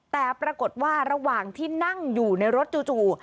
แต่ปรากฏว่าระหว่างที่นั่งอยู่ในรถจู่